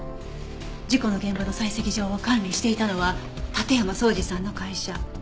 事故の現場の採石場を管理していたのは館山荘司さんの会社。